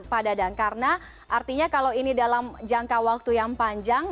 pak dadang karena artinya kalau ini dalam jangka waktu yang panjang